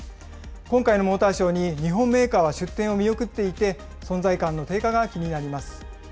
今回のモーターショーに日本メーカーは出展を見送っていて、存在感の低下が気になります。